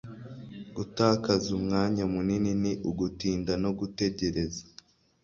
gutakaza umwanya munini ni ugutinda no gutegereza